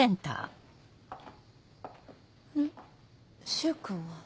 柊君は？